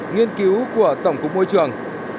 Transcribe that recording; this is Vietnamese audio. nghiên cứu của tổng cục môi trường